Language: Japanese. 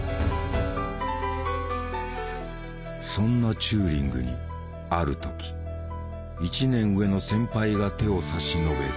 そんなチューリングにある時１年上の先輩が手を差し伸べる。